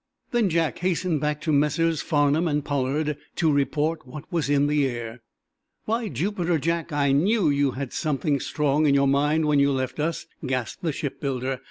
Then Jack hastened back to Messrs. Farnum and Pollard to report what was in the air. "By Jupiter, Jack, I knew you had some thing strong in your mind when you left us," gasped the shipbuilder.